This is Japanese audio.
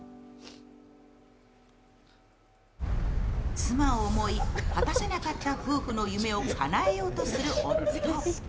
妻を思い、果たせなかった夫婦の夢をかなえようとする夫。